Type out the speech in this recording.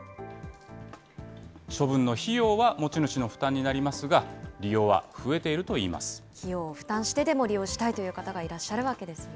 処分の費用は持ち主の負担になりますが、利用は増えているといい費用を負担してでも利用したいという方がいらっしゃるわけですね。